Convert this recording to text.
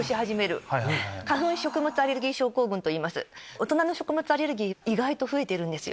大人の食物アレルギー意外と増えているんですよ。